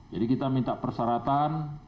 jadi kita minta persyaratan